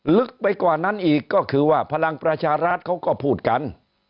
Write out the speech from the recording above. ลึกไปกว่านั้นอีกก็คือว่าพลังประชารัฐเขาก็พูดกัน